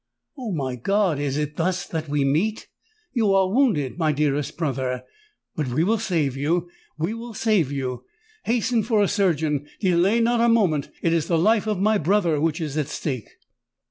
"Oh! my God—is it thus that we meet? You are wounded, my dearest brother: but we will save you—we will save you! Hasten for a surgeon—delay not a moment—it is the life of my brother which is at stake!"